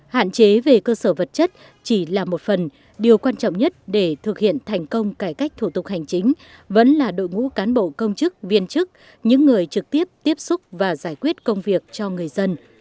hạn chế về cơ sở vật chất chỉ là một phần điều quan trọng nhất để thực hiện thành công cải cách thủ tục hành chính vẫn là đội ngũ cán bộ công chức viên chức những người trực tiếp tiếp xúc và giải quyết công việc cho người dân